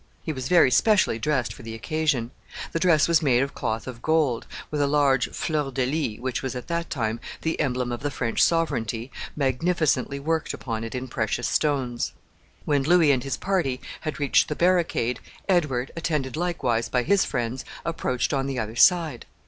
He was very specially dressed for the occasion. The dress was made of cloth of gold, with a large fleur de lis which was at that time the emblem of the French sovereignty magnificently worked upon it in precious stones. When Louis and his party had reached the barricade, Edward, attended likewise by his friends, approached on the other side.